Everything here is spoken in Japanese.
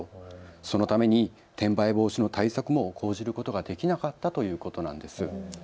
そのために転売防止の対策も講じることができなかったということなんですよね。